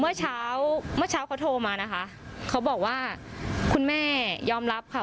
เมื่อเช้าเมื่อเช้าเขาโทรมานะคะเขาบอกว่าคุณแม่ยอมรับค่ะ